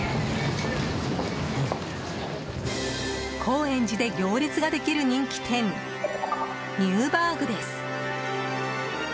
高円寺で行列ができる人気店ニューバーグです。